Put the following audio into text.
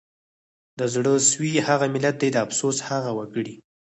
د زړه سوي هغه ملت دی د افسوس هغه وګړي